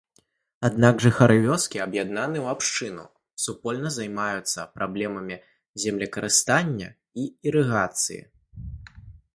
Аднак жыхары вёскі аб'яднаны ў абшчыну, супольна займаюцца праблемамі землекарыстання і ірыгацыі.